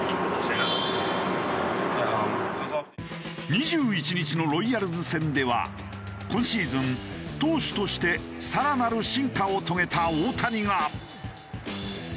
２１日のロイヤルズ戦では今シーズン投手として更なる進化を遂げた大谷が。